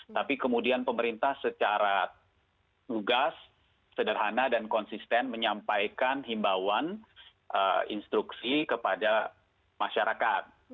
tapi kemudian pemerintah secara lugas sederhana dan konsisten menyampaikan himbauan instruksi kepada masyarakat